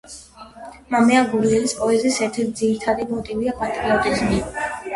მამია გურიელის პოეზიის ერთ-ერთი ძირითადი მოტივია პატრიოტიზმი.